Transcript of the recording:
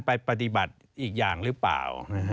ไปปฏิบัติอีกอย่างหรือเปล่า